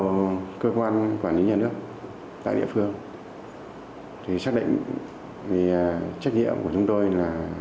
về cơ quan quản lý nhà nước tại địa phương thì xác định trách nhiệm của chúng tôi là